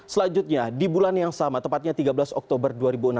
selanjutnya di bulan yang sama tepatnya tiga belas oktober dua ribu enam belas